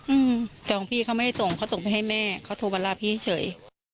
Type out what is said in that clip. อืมแต่ของพี่เขาไม่ได้ส่งเขาส่งไปให้แม่เขาโทรมาลาพี่เฉย